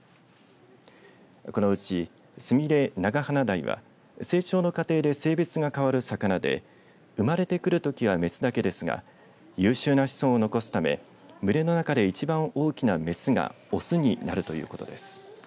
このうちスミレナガハナダイは成長の過程で性別が変わる魚で生まれてくるときは雌だけですが優秀な子孫を残すため群れの中で一番大きな雌が雄になるということです。